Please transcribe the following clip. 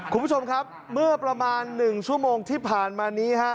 คุณผู้ชมครับเมื่อประมาณ๑ชั่วโมงที่ผ่านมานี้ฮะ